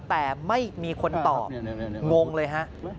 แต่ไม่มีคนตอบงงเลยฮะ